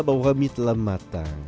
bahwa mie telah matang